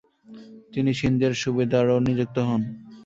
তিনি সিন্ধের সুবেদারও নিযুক্ত হন।